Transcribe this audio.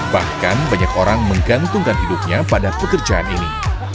bahkan banyak orang menggantungkan hidupnya pada pekerjaan ini